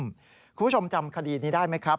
คุณผู้ชมจำคดีนี้ได้ไหมครับ